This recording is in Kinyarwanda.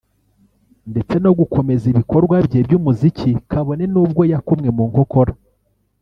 ndetse no gukomeza ibikorwa bye by’umuziki kabone n’ubwo yakomwe mu nkokora